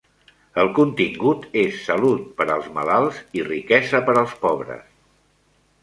El contingut és salut per als malalts i riquesa per als pobres.